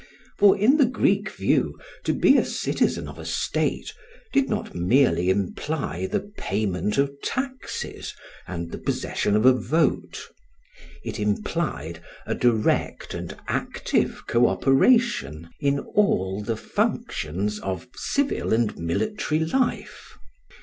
For, in the Greek view, to be a citizen of a state did not merely imply the payment of taxes, and the possession of a vote; it implied a direct and active co operation in all the functions of civil and military life.